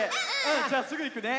じゃすぐいくね。